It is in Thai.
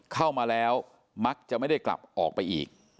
เข้ามาแล้วมักจะไม่ได้กลับออกไปอีก